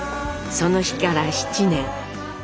その日から７年。